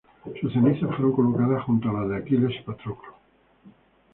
Sus cenizas fueron colocadas junto a las de Aquiles y Patroclo.